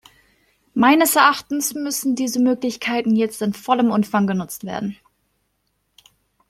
Meines Erachtens müssen diese Möglichkeiten jetzt in vollem Umfang genutzt werden.